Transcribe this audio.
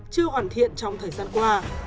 chưa hoàn thiện trong thời gian qua